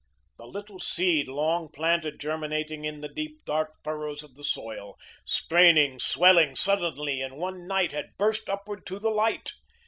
The little seed long planted, germinating in the deep, dark furrows of the soil, straining, swelling, suddenly in one night had burst upward to the light.